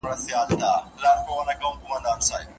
هر علمي ډګر د څېړني خپل ځانګړي اصول لري.